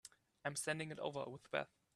I'm sending it over with Beth.